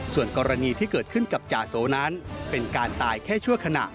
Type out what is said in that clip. ส่วนกรณีที่เกิดขึ้นกับจาโสนั้นเป็นการตายแค่ชั่วขณะ